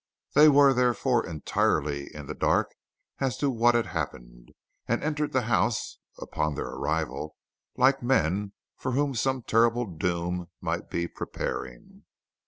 They were therefore entirely in the dark as to what had happened, and entered the house, upon their arrival, like men for whom some terrible doom might be preparing.